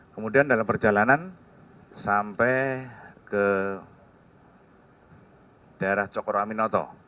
kemudian dalam perjalanan sampai ke daerah cokroaminoto